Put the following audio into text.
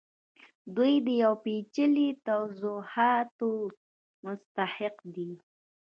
دوی د یو پیچلي توضیحاتو مستحق دي